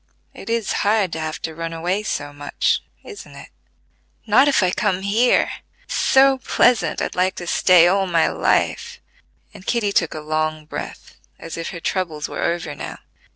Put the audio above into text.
it is hard to have to run away so much: isn't it?" "Not if I come here; it's so pleasant I'd like to stay all my life," and Kitty took a long breath, as if her troubles were over now.